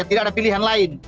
tidak ada pilihan lain